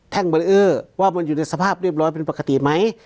เบอร์เออร์ว่ามันอยู่ในสภาพเรียบร้อยเป็นปกติไหม